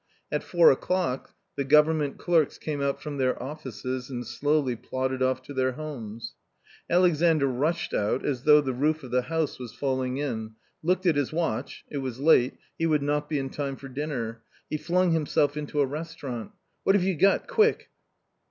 At four o'clock the government clerks came out from their offices and slowly plodded off to their homes. Alexandr rushed out, as though the roof of the house was falling in, looked at his watch — it was late ; he would not be in time for dinner. He flung himself into a restau rant " What have you got, quick